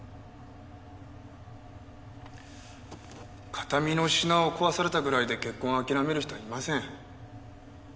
形見の品を壊されたぐらいで結婚をあきらめる人はいません。